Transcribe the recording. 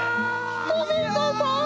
ごめんなさい。